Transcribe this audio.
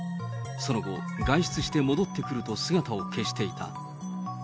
その後、外出して戻ってくると姿を消していた。